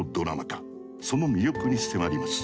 その魅力に迫ります。